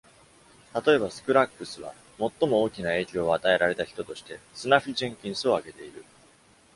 たとえば、スクラッグスは、最も大きな影響を与えられた人として、スナフィ・ジェンキンスを挙げている。